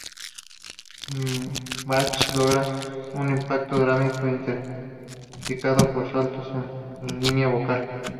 Bach logra un impacto dramático, intensificado por saltos en la línea vocal.